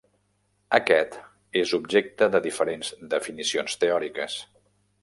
Aquest és objecte de diferents definicions teòriques.